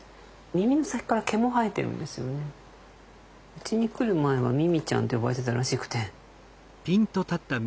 うちに来る前はミミちゃんって呼ばれてたらしくて。